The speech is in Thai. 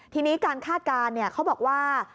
ทีนี้การคาดการณ์เขาบอกว่า